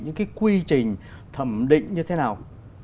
những cái quy trình thẩm định như thế nào